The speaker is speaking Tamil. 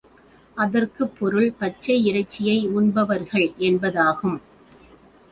அதற்குப் பொருள், பச்சை இறைச்சியை உண்பவர்கள் என்பதாகும்.